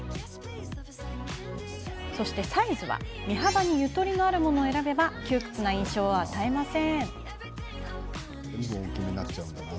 サイズは身幅にゆとりのあるものを選べば窮屈な印象を与えません。